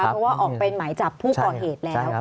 เพราะว่าออกเป็นหมายจับผู้ก่อเหตุแล้ว